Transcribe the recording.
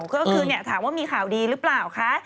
ก็คือถามว่ามีข่าวดีหรือเปล่าคะ